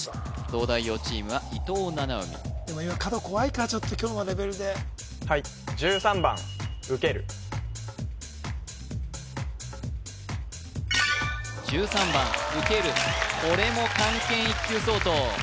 東大王チームは伊藤七海でも今角怖いかちょっと今日のレベルではい１３番うけるこれも漢検１級相当